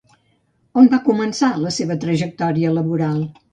On va començar la seva trajectòria laboral?